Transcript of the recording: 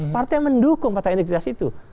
partai mendukung fakta integritas itu